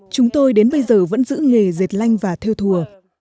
chúng tôi đến bây giờ vẫn giữ nghề dệt lanh và theo thùa